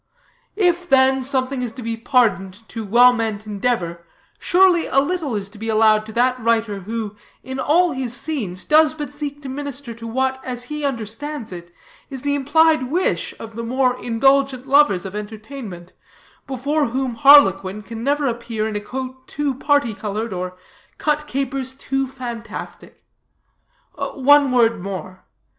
If, then, something is to be pardoned to well meant endeavor, surely a little is to be allowed to that writer who, in all his scenes, does but seek to minister to what, as he understands it, is the implied wish of the more indulgent lovers of entertainment, before whom harlequin can never appear in a coat too parti colored, or cut capers too fantastic. One word more.